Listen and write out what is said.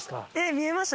見えましたね